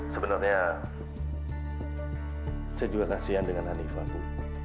sebenarnya saya juga kasian dengan hanifah bu